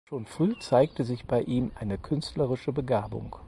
Schon früh zeigte sich bei ihm eine künstlerische Begabung.